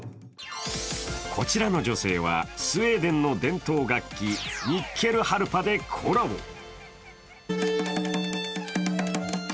こちらの女性はスウェーデンの伝統楽器、ニッケルハルパでコラボ。